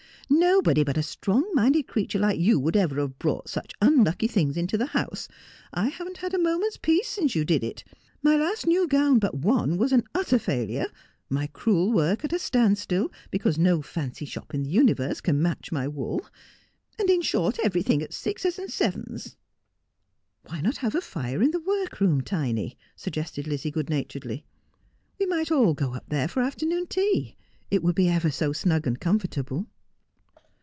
Nobody but a strong minded creature like you would ever have brought such unlucky things into the house. I haven't had a moment's peace since you did it. My last new gown but one an utter failure — my crewel work at a standstill, because no fancy shop in the universe can match my wool — and — in short, everything at sixes and sevens.' ' Why not have a fire in the workroom, Tiny 1 ' suggested Lizzie good naturedly. ' We might all go up there for afternoon tea. It would be ever so snug and comfortable.'